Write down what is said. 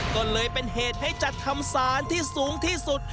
ก็เลยเป็นเหตุให้จัดทำสารที่สูงที่สุด